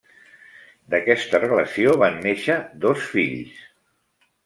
D'aquesta relació van néixer dos fills.